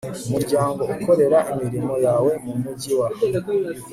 Umuryango ukorera imirimo yawe mu mujyi wa